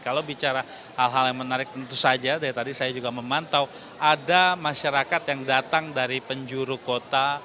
kalau bicara hal hal yang menarik tentu saja dari tadi saya juga memantau ada masyarakat yang datang dari penjuru kota